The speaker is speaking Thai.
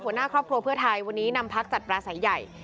หัวหน้าครอบครัวเพื่อไทยวันนี้นำพักจัดปลาสายใหญ่